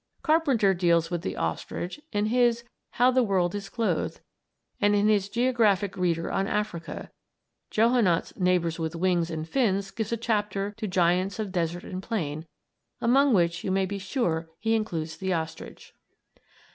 Carpenter deals with the ostrich in his "How the World is Clothed" and in his "Geographic Reader on Africa"; Johonnott's "Neighbors with Wings and Fins" gives a chapter to "Giants of Desert and Plain," among which you may be sure he includes the ostrich.